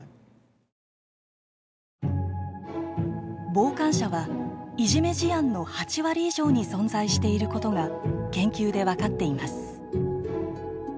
傍観者はいじめ事案の８割以上に存在していることが研究で分かっています。